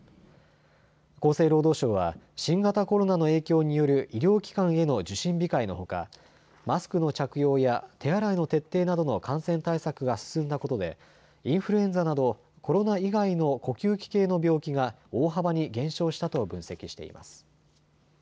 厚生労働省は新型コロナの影響による医療機関への受診控えのほかマスクの着用や手洗いの徹底などの感染対策が進んだことでインフルエンザなど、コロナ以外の呼吸器系の病気が大幅に減少したと分析しています。